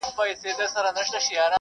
د کوچیانو کيږدۍ وړې نه وي.